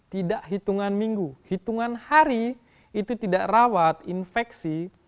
tidak hitungan minggu hitungan hari itu tidak rawat infeksi